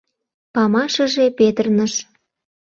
Памашыже петырныш...